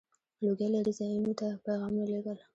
• لوګی لرې ځایونو ته پيغامونه لیږل.